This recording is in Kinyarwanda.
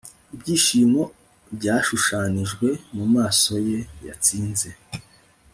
ibyishimo byashushanijwe mumaso ye yatsinze